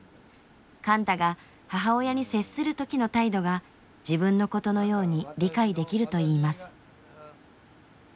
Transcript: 貫多が母親に接する時の態度が自分のことのように理解できるといいます。